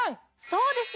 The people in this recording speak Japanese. そうです！